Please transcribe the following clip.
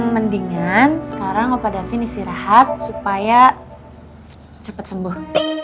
mendingan sekarang opa davin istirahat supaya cepet sembuh